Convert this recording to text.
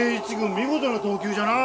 見事な投球じゃな。